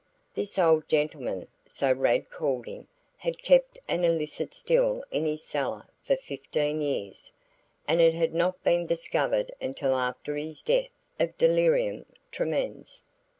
This old gentleman so Rad called him had kept an illicit still in his cellar for fifteen years, and it had not been discovered until after his death (of delirium tremens).